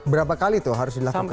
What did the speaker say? berapa kali tuh harus dilakukan